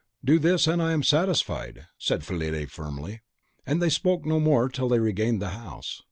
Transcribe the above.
"Do this, and I am satisfied," said Fillide, firmly. And they spoke no more till they regained the house.